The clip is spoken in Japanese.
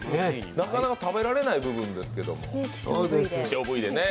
なかなか食べられない部位ですけど、希少部位で。